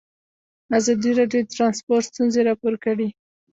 ازادي راډیو د ترانسپورټ ستونزې راپور کړي.